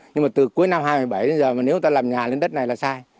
nhưng mà từ cuối năm hai nghìn một mươi bảy đến giờ mà nếu ta làm nhà lên đất này là sai